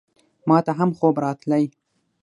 ماته هم خوب راتلی !